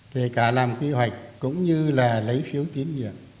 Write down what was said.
kể cả làm quy hoạch cũng như là lấy phiếu tín nhiệm